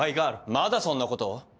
まだそんなことを？